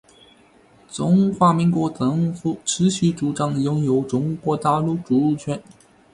中华民国政府持续主张拥有中国大陆主权